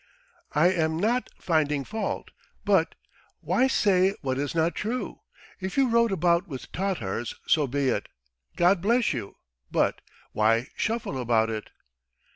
"I am not finding fault, but ... why say what is not true? If you rode about with Tatars, so be it, God bless you, but ... why shuffle about it?"